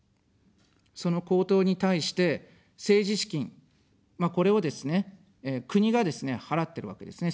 その公党に対して政治資金、これをですね、国がですね、払ってるわけですね。